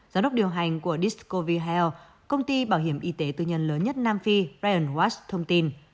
giáo đốc điều hành của discovery health công ty bảo hiểm y tế tư nhân lớn nhất nam phi brian watts thông tin